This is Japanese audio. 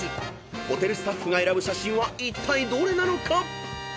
ホテルスタッフが選ぶ写真はいったいどれなのか？］